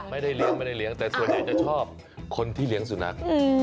ไม่ได้เลี้ยงแต่ส่วนใหญ่จะชอบคนที่เลี้ยงสุดนัก